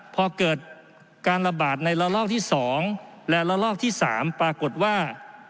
พอเกิดการระบาดในระลอกที่๒และระลอกที่๓ปรากฏว่า